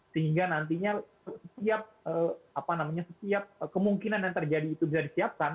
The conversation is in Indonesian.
sehingga nantinya setiap kemungkinan yang terjadi itu bisa disiapkan